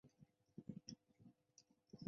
现教香港荃湾区重点青年军。